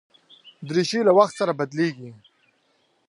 دریشي له وخت سره بدلېږي.